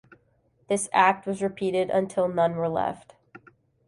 This act was repeated until none were left.